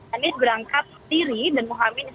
anies berangkat sendiri dan muhamin